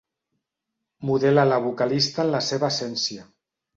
Modela la vocalista en la seva essència.